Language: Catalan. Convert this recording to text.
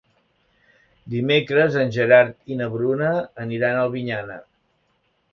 Dimecres en Gerard i na Bruna aniran a Albinyana.